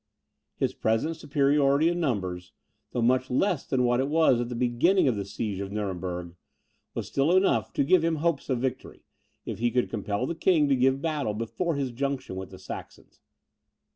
His present superiority in numbers, though much less than what it was at the beginning of the siege of Nuremberg, was still enough to give him hopes of victory, if he could compel the king to give battle before his junction with the Saxons.